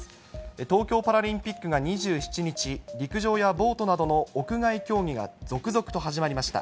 東京パラリンピックが２７日、陸上やボートなどの屋外競技が続々と始まりました。